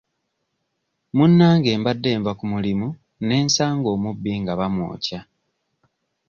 Munnange mbadde nva ku mulimu ne nsanga omubbi nga bamwokya.